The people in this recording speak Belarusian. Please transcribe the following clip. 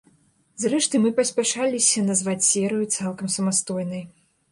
Зрэшты, мы паспяшаліся назваць серыю цалкам самастойнай.